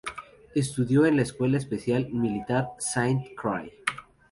Estudió en la Escuela Especial Militar Saint-Cyr.